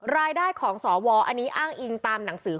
รายได้ของสวอันนี้อ้างอิงตามหนังสือ